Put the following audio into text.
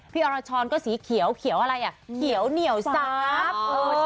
อรชรก็สีเขียวเขียวอะไรอ่ะเขียวเหนียวซับ